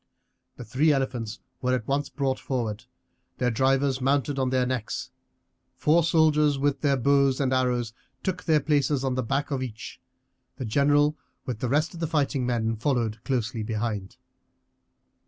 The three elephants were at once brought forward, their drivers mounted on their necks. Four soldiers with their bows and arrows took their places on the back of each, the general with the rest of the fighting men followed closely behind.